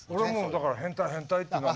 「変態変態」っていうのは